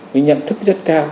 những nhận thức rất cao